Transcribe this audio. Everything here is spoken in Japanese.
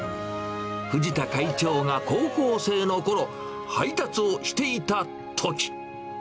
藤田会長が高校生のころ、配達をしていたとき。